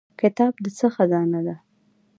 کتاب د څه خزانه ده؟